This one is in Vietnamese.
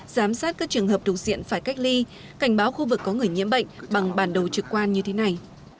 giám sát các trường hợp thuộc diện phải cách ly cảnh báo khu vực có người nhiễm bệnh bằng bản đồ trực quan như thế này